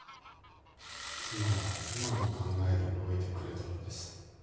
妻は妻の考えで動いてくれとるんです。